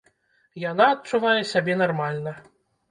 Яна адчувае сябе нармальна.